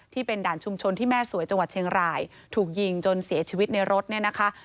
ที่เป็นด่านชุมชนที่แม่สวยจังหวัดเชียงรายถูกยิงจนเสียชีวิตในรถเนี่ยนะคะ